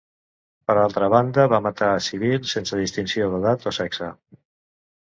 Per altra banda, van matar a civils sense distinció d'edat o sexe.